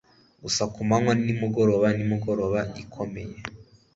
gusa kumanywa nimugoroba nimugoroba ikomeye